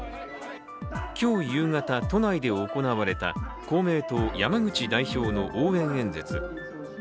今日夕方、都内で行われた公明党・山口代表の応援演説。